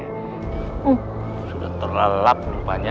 uh sudah terlelap rupanya